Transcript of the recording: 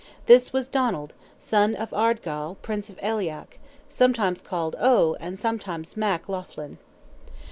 This was Donald, son of Ardgall, Prince of Aileach, sometimes called "O" and sometimes "Mac" Laughlin.